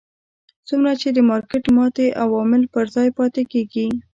څومره چې د مارکېټ ماتې عوامل پر ځای پاتې کېږي.